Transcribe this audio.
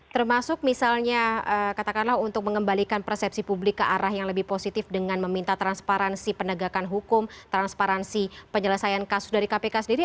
termasuk misalnya katakanlah untuk mengembalikan persepsi publik ke arah yang lebih positif dengan meminta transparansi penegakan hukum transparansi penyelesaian kasus dari kpk sendiri